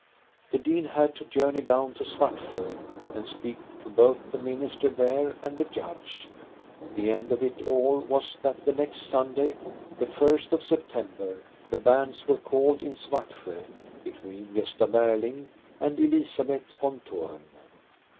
The dean had to journey down to Svartsjo and speak to both the minister there and the judge. The end of it all was that the next Sunday, the first of September, the banns were called in Svartsjo between Gosta Berling and Elizabeth von Thurn.